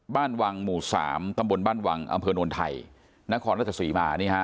บ้านวังหมู่๓ตำบลบ้านวังอำเภอโนนไทยนครราชศรีมานี่ฮะ